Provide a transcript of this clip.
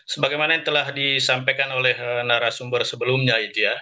sebagaimana yang telah disampaikan oleh narasumber sebelumnya